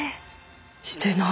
してない。